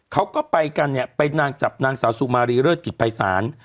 เขาก็ไปกันเนี่ยไปนางจับนางสาวสุมารีเลิศกิจภัยศาล